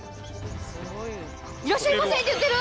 「いらっしゃいませ」って言ってる。